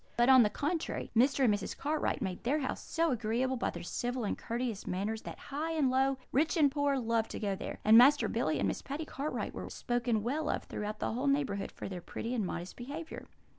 But, on the contrary, Mr. and Mrs. Cartwright made their house so agreeable by their civil and courteous manners that high and low, rich and poor, loved to go there; and Master Billy and Miss Patty Cartwright were spoken well of throughout the whole neighbourhood for their pretty and modest behaviour.